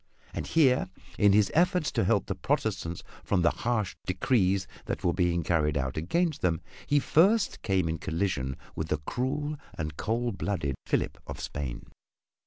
And here, in his efforts to help the Protestants from the harsh decrees that were being carried out against them, he first came in collision with the cruel and cold blooded Philip of Spain.